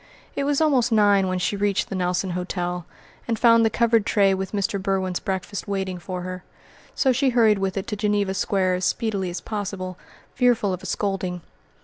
It was almost nine when she reached the Nelson Hotel, and found the covered tray with Mr. Berwin's breakfast waiting for her; so she hurried with it to Geneva Square as speedily as possible, fearful of a scolding.